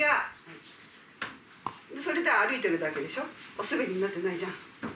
おすべりになってないじゃん。